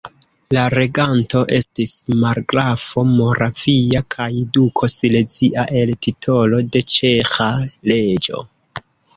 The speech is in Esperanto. La reganto estis margrafo moravia kaj duko silezia el titolo de ĉeĥa reĝo.